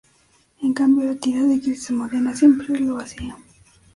En cambio la tira de Cris Morena siempre lo hacía.